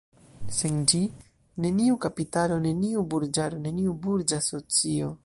Sen ĝi, neniu kapitalo, neniu burĝaro, neniu burĝa socio.